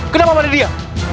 kenapa pada dia